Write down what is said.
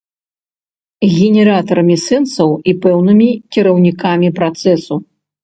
Генератарамі сэнсаў і пэўнымі кіраўнікамі працэсу.